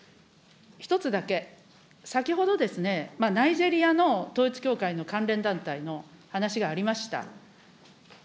１つだけ、先ほど、ナイジェリアの統一教会の関連団体の話がありました。